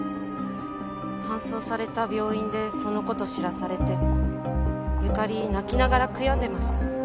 搬送された病院でその事知らされてゆかり泣きながら悔やんでました。